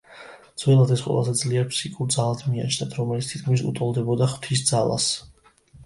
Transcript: ძველად, ეს ყველაზე ძლიერ ფსიქიკურ ძალად მიაჩნდათ, რომელიც თითქმის უტოლდებოდა ღვთის ძალას.